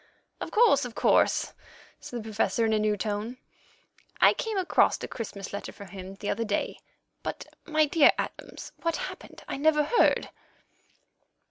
"Of course, of course," said the Professor in a new tone; "I came across a Christmas letter from him the other day. But, my dear Adams, what happened? I never heard."